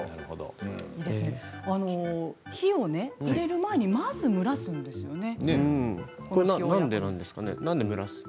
火を入れる前にまず蒸らすんですよね。